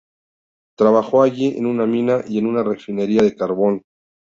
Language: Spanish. Trabajó allí en una mina y en una refinería de carbón.